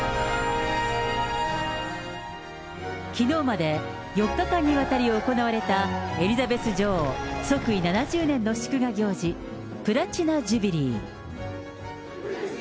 きのうまで４日間にわたり行われた、エリザベス女王即位７０年の祝賀行事、プラチナ・ジュビリー。